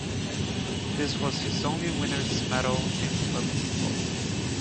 This was his only winner's medal in club football.